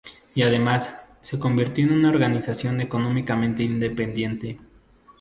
Y, además, se convirtió en una organización económicamente independiente.